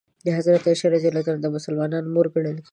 حضرت عایشه رض د مسلمانانو مور ګڼل کېږي.